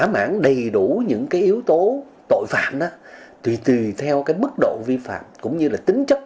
mức độ vi phạm cũng như là tính chất